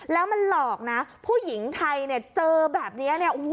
แล้วมันหลอกนะผู้หญิงไทยเจอแบบนี้